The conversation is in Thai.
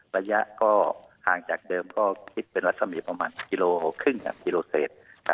ระยะก็ห่างจากเดิมก็คิดเป็นวัฒนธรรมิประมาณ๑๕กิโลเซตร์